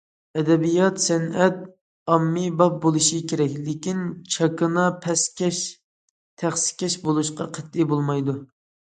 ئەدەبىيات- سەنئەت ئاممىباب بولۇشى كېرەك، لېكىن چاكىنا، پەسكەش، تەخسىكەش بولۇشقا قەتئىي بولمايدۇ.